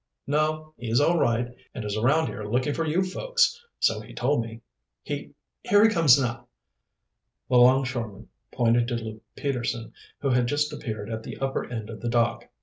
"No; he's all right, and is around here looking for you folks so he told me. He here he comes now." The longshoreman pointed to Luke Peterson, who had just appeared at the upper end of the dock.